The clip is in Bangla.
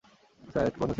স্যার, একটু কথা ছিল।